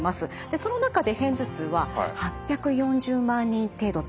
その中で片頭痛は８４０万人程度といわれています。